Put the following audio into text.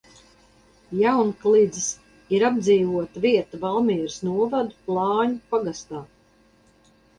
Jaunklidzis ir apdzīvota vieta Valmieras novada Plāņu pagastā.